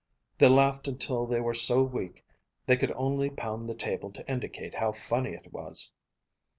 They laughed until they were so weak they could only pound the table to indicate how funny it was.